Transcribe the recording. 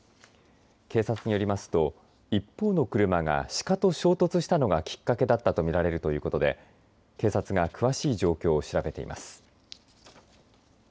警察によりますと一方の車が鹿と衝突したのがきっかけだったと見られるということで警察が詳しい状況を調べています。